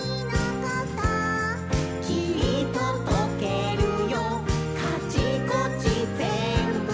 「きっと溶けるよカチコチぜんぶ」